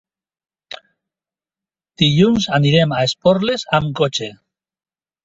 Dilluns anirem a Esporles amb cotxe.